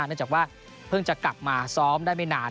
เนื่องจากว่าเพิ่งจะกลับมาซ้อมได้ไม่นาน